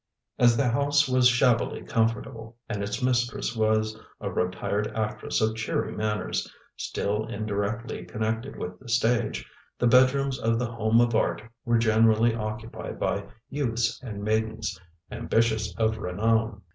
As the house was shabbily comfortable, and its mistress was a retired actress of cheery manners, still indirectly connected with the stage, the bedrooms of The Home of Art were generally occupied by youths and maidens, ambitious of renown.